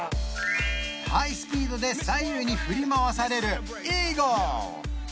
ハイスピードで左右に振り回されるイーグル